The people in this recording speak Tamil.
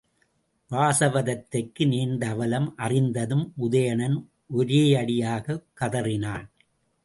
வாசவதத்தைக்கு நேர்ந்த அவலம் அறிந்ததும் உதயணன் ஒரேயடியாகக் கதறினான்.